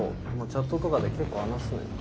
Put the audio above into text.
チャットとかで結構話すのよ。